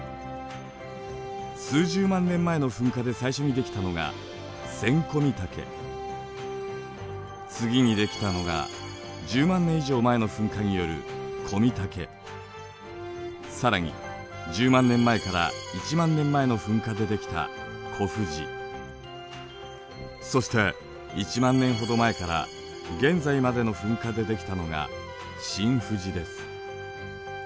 数十万年前の噴火で最初に出来たのが次に出来たのが１０万年以上前の噴火による更に１０万年前から１万年前の噴火で出来たそして１万年ほど前から現在までの噴火で出来たのが新富士です。